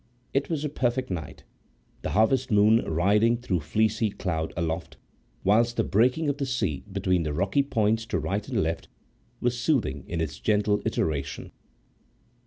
It was a perfect night, the harvest moon riding through fleecy cloud aloft, whilst the breaking of the sea between the rocky points to right and left was soothing in its gentle iteration.